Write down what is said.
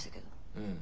うん。